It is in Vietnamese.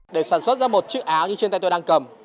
để sản xuất ra một chiếc áo như trên tay tôi đang cầm